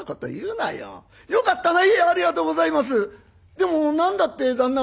でも何だって旦那